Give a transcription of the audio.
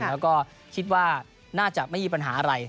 แล้วก็คิดว่าน่าจะไม่มีปัญหาอะไร